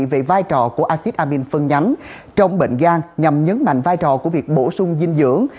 về vai trò của acid amin phân nhắn trong bệnh gan nhằm nhấn mạnh vai trò của việc bổ sung dinh dưỡng